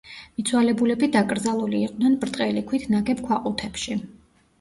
მიცვალებულები დაკრძალული იყვნენ ბრტყელი ქვით ნაგებ ქვაყუთებში.